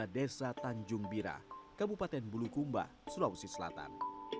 desa tanjung bira kabupaten bulukumba sulawesi selatan